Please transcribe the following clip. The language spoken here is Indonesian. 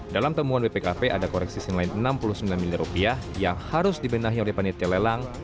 dalam temuan bpkp ada koreksi senin enam puluh sembilan miliar rupiah yang harus dibenahi oleh panitia lelang